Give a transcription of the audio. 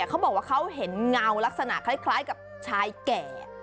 เขาบอกว่าเขาเห็นเงาลักษณะคล้ายกับชายแก่